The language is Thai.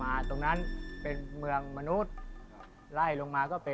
นู้นจะบนนู้นเป็นภาพอัสุรินทราหู